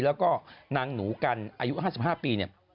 แล้วก็นางหนูกันอายุ๕๕ปี